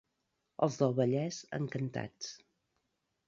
Els del Vallès, encantats.